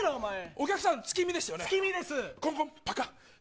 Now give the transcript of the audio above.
お客さん、月見ですよね。